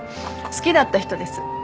好きだった人です。